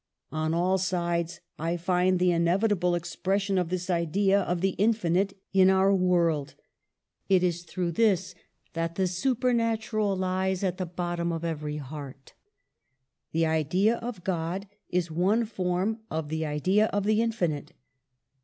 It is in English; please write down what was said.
"On all sides I find the inevitable expression of this idea of the infinite in our world. It is through this that the supernatural lies at the bottom of every heart. The idea of God is one form of the idea of the infinite.